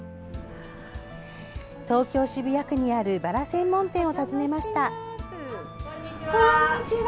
東京・渋谷区にあるバラ専門店を訪ねました。